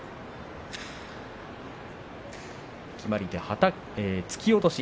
決まり手は突き落とし。